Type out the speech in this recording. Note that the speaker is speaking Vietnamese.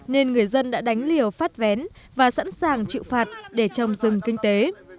nên người dân đã đánh liều phát vén và sẵn sàng chịu phạt để trồng rừng kinh tế